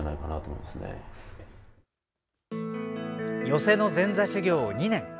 寄席の前座修業を２年。